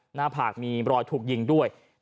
หน้าผากมีรอยถูกยิงด้วย